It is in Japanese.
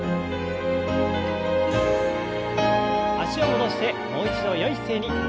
脚を戻してもう一度よい姿勢に。